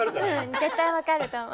絶対分かると思う。